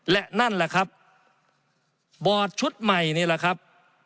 และนั่นแหละครับบอร์ดชุดใหม่นี่แหละครับ